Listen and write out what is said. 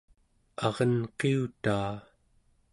arenqiutaa